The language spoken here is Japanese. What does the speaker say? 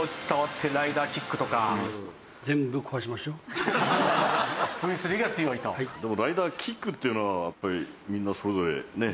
でもライダーキックっていうのはやっぱりみんなそれぞれねっ。